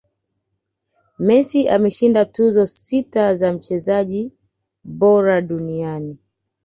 messi ameshinda tuzo sita za mchezaji bora wa dunia